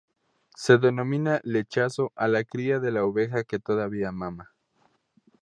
Se denomina lechazo a la cría de la oveja que todavía mama.